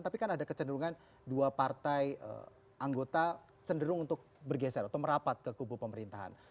tapi kan ada kecenderungan dua partai anggota cenderung untuk bergeser atau merapat ke kubu pemerintahan